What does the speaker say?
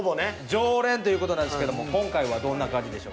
常連という事なんですけども今回はどんな感じでしょうか。